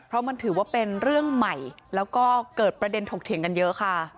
เพราะมันถือว่าเป็นเรื่องใหม่แล้วก็เกิดประเด็นถกเถียงกันเยอะค่ะ